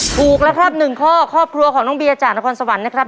ถูกแล้วครับหนึ่งข้อครอบครัวของน้องเบียจากนครสวรรค์นะครับ